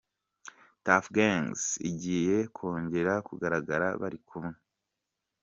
Tuff Gangz igiye kongera kugaragara bari kumwe.